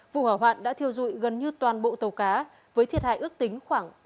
vụ hỏa hoạn đã thiêu dụi gần như toàn bộ tàu cá với thiệt hại ước tính khoảng ba tỷ đồng